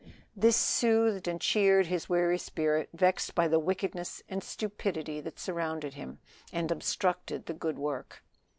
This soothed and cheered his weary spirit vexed by the wickedness and stupidity that surrounded him and obstructed the good work.